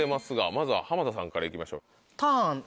まずは濱田さんから行きましょう。